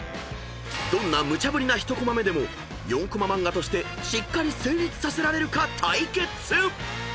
［どんな無茶ぶりな１コマ目でも４コマ漫画としてしっかり成立させられるか対決］